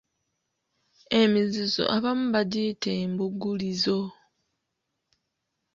Emizizo abamu bagiyita Embugulizo.